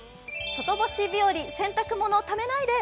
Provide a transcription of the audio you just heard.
外干し日和、洗濯物をためないで。